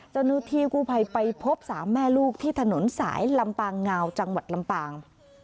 จนทีกู้ไพรไปพบสามแม่ลูกที่ถนนสายลำปางงาวจังหวัดลำปาง